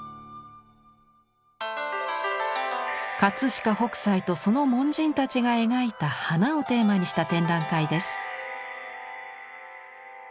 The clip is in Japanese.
飾北斎とその門人たちが描いた花をテーマにした展覧会です。